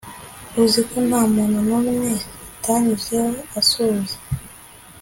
uziko nta muntu numwe atanyuzeho asuhuza